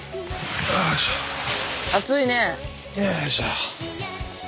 よいしょ。